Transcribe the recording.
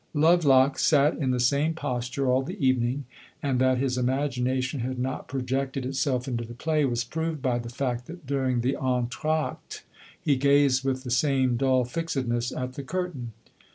Lovelock sat in the same posture all the evening, and that his imagination had not projected itself into the play was proved by the fact that during the entractes he gazed with the same dull fixedness at the curtain.